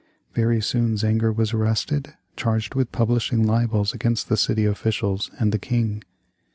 Very soon Zenger was arrested, charged with publishing libels against the city officials and the King.